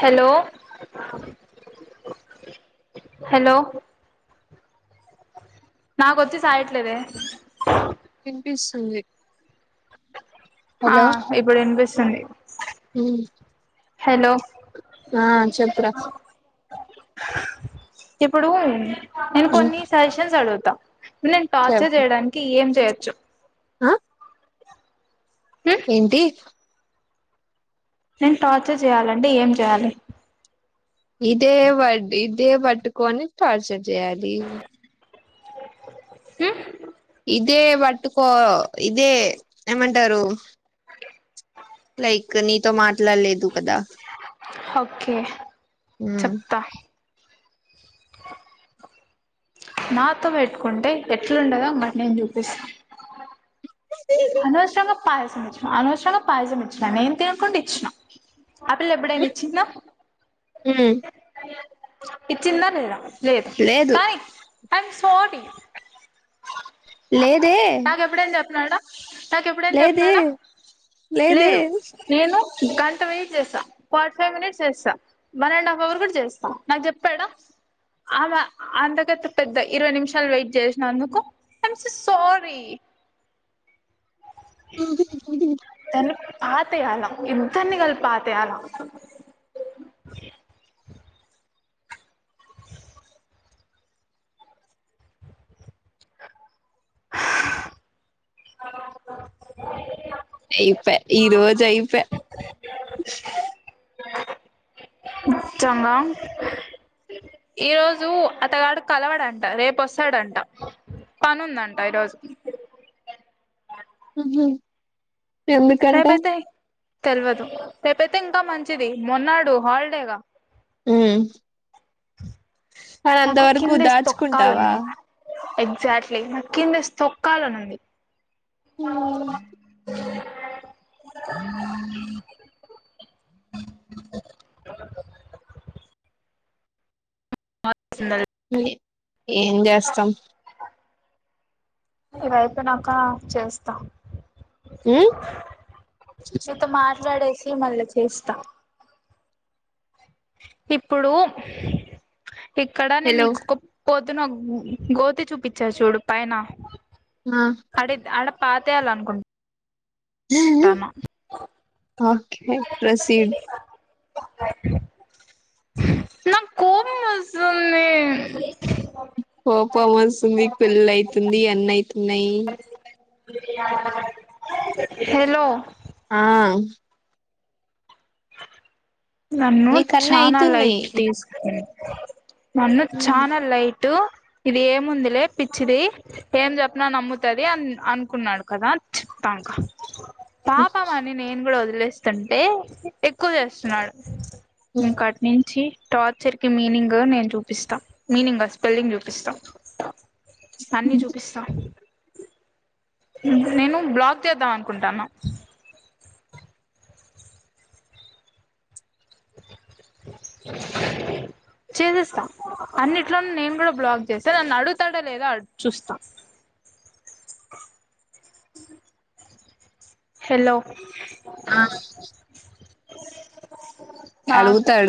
Hello hello నాకొచ్చి సాయట్లేదే విన్పిస్తుంధి ఆ ఇప్పుడు వినిపిస్తుంది ఉమ్, హెల్లో ఆ చెప్పురా ఇప్పుడూ నిన్ ఉమ్, కొన్ని సజీషన్స్ అడుగుతా నేన్ టార్చర్ చెప్పు చేయడానికి ఎంజేయొచ్చు ఆ ఉమ్ ఏంటి నేన్ టార్చర్ జేయాలండి ఏం జేయాలి ఇదే వడ్డీ ఇదే బట్టుకొని టార్చర్ చేయాలి హు ఇదే పట్టుకో ఇదే ఏమంటారు లైక్ నీతో మాట్లాడలేదు కదా ఓకే ఉమ్. చెప్తా నాతో పెట్టుకుంటే ఎట్లుండదో అ మాట నేను చూపిస్తా అనవసరంగా పాయసం ఇచ్చినం అనవసరంగా పాయసం ఇచ్చినా నేం తినుకుండా ఇచ్చినాం ఆ పిల్ల ఎప్పుడైనా ఇచ్చిందా ఉమ్ ఇచిందా లేధా లేదు కానీ అం సోని లేదే కనాడ నాకు ఎప్పుడైనా లేదే చెప్పినడా లేదే లేదు నేను గంట వెయిట్ చేస్తా ఫార్టీ ఫైవ్ మినిట్స్ చేస్తా వన్ అండ్ హాఫ్ అవర్ కూడా చేస్తాం నాకు చెప్పాడా ఆమె అంతకత పెద్ద ఇరవై నిమిషాలు వెయిట్ చేసినందుకు ఐ యామ్ సో సారీ తను పాతయాల ఇద్దని కలి పాతయాల [unintelligible] అయిపోయా ఈ రోజ అయిపోయా సరే ముచ్చంగా ఈరోజు అతగాడు కలవాడంట రేపుొస్తాడంట పని ఉందంట ఈరోజు హ ఎందుకంటా తెలియదు రేపయితే ఇంకా మంచిది మొన్నాడు హాలిడేగా హ్మ్మ్ కానీ నాకు అంతవరకు కిందేసి దాచుకుంటావా తొక్కాలని ఎగ్జాక్ట్లీ నా కింద తొక్కలు అని ఉంది ఉమ్ బ సంద లే ఏం చేస్తాం ఇవైపోనాక చేస్తా ఉమ్ మీతో మాట్లాడేసి మళ్ళీ చేస్త ఇప్పుడు ఇక్కడ నేను హలో నీకు ఒకపోడ్ అ నా గోతి చూపించా చూడు పైన ఆ కడ అడ పాతేయాల అనుకుంటుా ఓకే ప్రొసీడ్ నా కోపమస్తుంది కోపమస్తుంది పెళ్లి అయితుంది అన్ని అయితున్న నాయీ హలో ఆ నన్ను నీకు అన్ని చనా అయితున్నాయి లైట్ తీసుకు నన్ను చానా లైట్ ఇది ఏముందిలే పిచ్చిది ఏం చెప్పిన నమ్ముతుది అని అనుకున్నాడు కదా చెప్తా కా పాపమానీ నేన్ కూడా ఒదిల్ లిస్తుంటే ఎక్కువ చేస్తున్నాడు కట్ నుంచి టార్చర్ కి మీనింగ్ నేను చూపిస్తా మీనింగ్ స్పెల్లింగ్ చూపిస్తా అన్నిీ చూపిస్తాం నేను బ్లాక్ చేద్దాం అనుకుంటాను చేసేస్తా అన్నిట్లో నేను కూడా బ్లాక్ చేస్తా నన్ను అడుగుతాడా లేదా చూస్తా హలో ఆ మా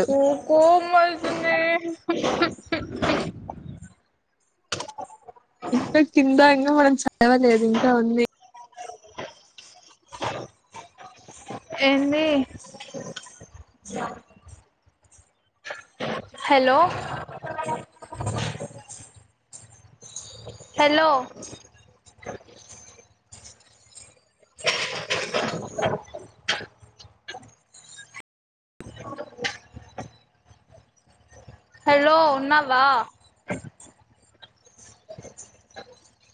కుకు మజన్నా ఇంకా కింద ఇంకా మనం చదవలేదు ఇంకా ఉంది ఎన్ని హెలో హెలో హలో ఉన్నావా